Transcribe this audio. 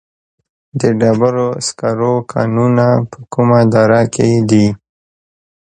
د ډبرو سکرو کانونه په کومه دره کې دي؟